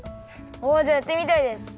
おじゃあやってみたいです。